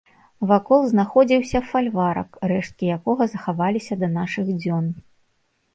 Вакол знаходзіўся фальварак, рэшткі якога захаваліся да нашых дзён.